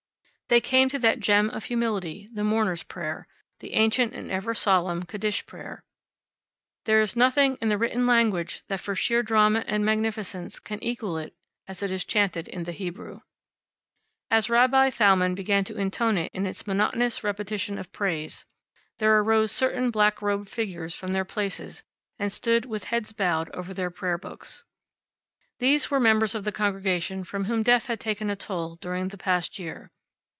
They came to that gem of humility, the mourners' prayer; the ancient and ever solemn Kaddish prayer. There is nothing in the written language that, for sheer drama and magnificence, can equal it as it is chanted in the Hebrew. As Rabbi Thalmann began to intone it in its monotonous repetition of praise, there arose certain black robed figures from their places and stood with heads bowed over their prayer books. These were members of the congregation from whom death had taken a toll during the past year.